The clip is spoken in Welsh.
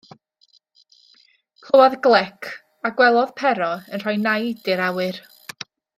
Clywodd glec, a gwelodd Pero yn rhoi naid i'r awyr.